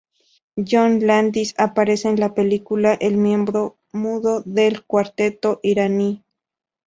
John Landis aparece en la película el miembro mudo del cuarteto iraní.